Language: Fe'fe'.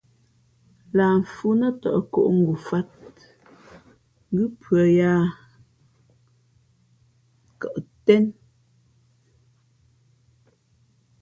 Lah mfhʉ̄ nά tαʼ kǒʼ ngofāt ngʉ́ pʉᾱ yāā jαʼ tén yáá.